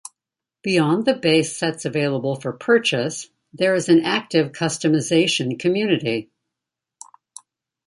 Beyond the base sets available for purchase, there is an active customization community.